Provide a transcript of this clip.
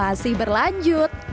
sampah masih berlanjut